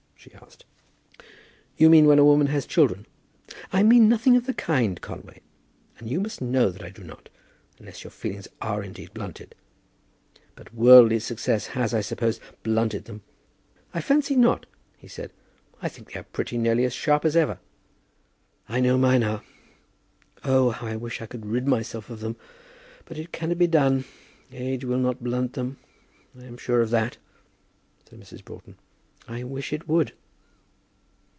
she asked. "You mean when a woman has children?" "I mean nothing of the kind, Conway; and you must know that I do not, unless your feelings are indeed blunted. But worldly success has, I suppose, blunted them." "I rather fancy not," he said. "I think they are pretty nearly as sharp as ever." "I know mine are. Oh, how I wish I could rid myself of them! But it cannot be done. Age will not blunt them, I am sure of that," said Mrs. Broughton. "I wish it would."